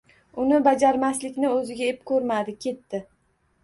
Uni bajarmaslikni o’ziga ep ko’rmadi. Ketdi.